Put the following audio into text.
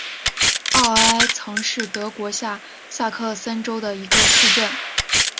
奥埃岑是德国下萨克森州的一个市镇。